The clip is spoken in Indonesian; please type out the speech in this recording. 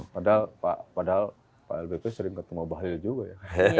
padahal pak lbp sering ketemu bahlil juga ya